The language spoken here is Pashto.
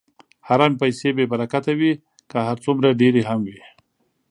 حرامې پیسې بېبرکته وي، که هر څومره ډېرې هم وي.